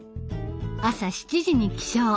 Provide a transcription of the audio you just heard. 朝７時に起床。